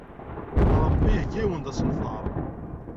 Ṛebbi iheyya-awen-d asenfar.